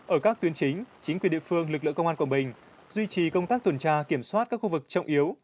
ở các tuyến chính chính quyền địa phương lực lượng công an quảng bình duy trì công tác tuần tra kiểm soát các khu vực trọng yếu